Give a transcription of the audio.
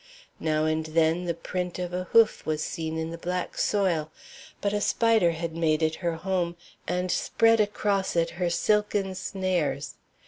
Now and then the print of a hoof was seen in the black soil, but a spider had made it her home and spread across it her silken snares.